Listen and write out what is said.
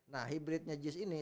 nah hybridnya gis ini